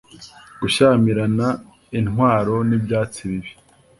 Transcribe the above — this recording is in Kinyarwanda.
Gushyamirana intwaro nibyatsi bibi